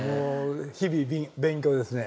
日々勉強ですね。